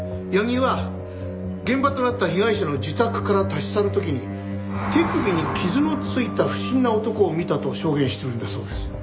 八木は現場となった被害者の自宅から立ち去る時に手首に傷のついた不審な男を見たと証言してるんだそうです。